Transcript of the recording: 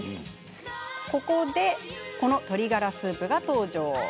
ここでこの鶏ガラスープが登場。